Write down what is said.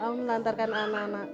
anda melantarkan anak anak